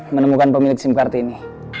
menemukan pemilik sim card ini